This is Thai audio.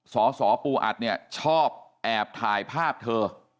สสปูอัดเนี่ยชอบแอบถ่ายภาพเธอ